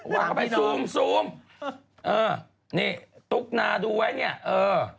วางเข้าไปซูมนี่ตุ๊กนาดูไว้เนี่ยเออ